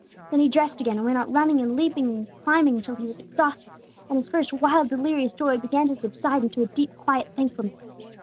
Then he dressed again, and went on running and leaping and climbing till he was exhausted, and his first wild delirious joy began to subside into a deep quiet thankfulness.